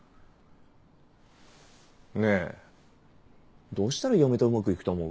ねえどうしたら嫁とうまくいくと思う？